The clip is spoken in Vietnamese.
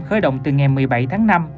khởi động từ ngày một mươi bảy tháng năm